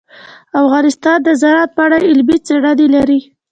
افغانستان د زراعت په اړه علمي څېړنې لري.